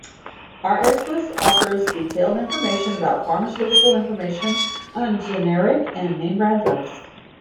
RxList offers detailed information about pharmaceutical information on generic and name-brand drugs.